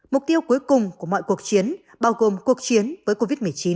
mục tiêu cuối cùng của mọi cuộc chiến bao gồm cuộc chiến với covid một mươi chín